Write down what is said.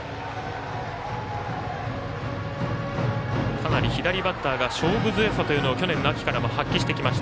かなり左バッターが勝負強さというのを去年の秋から発揮してきました